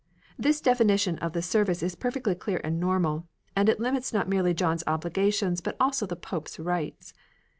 This definition of the service is perfectly clear and normal, and it limits not merely John's obligations but also the Pope's rights.